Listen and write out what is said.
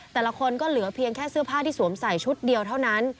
แต่ละคนก็เหลือเพียงแค่เสื้อผ้าที่สวมใส่ชุดเดียวเท่านั้น